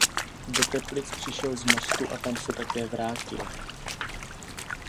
Do Teplic přišel z Mostu a tam se také vrátil.